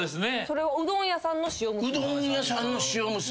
それはうどん屋さんの塩むすび？